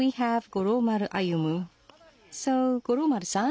五郎丸さん